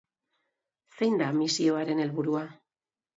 Zein da misioaren helburua?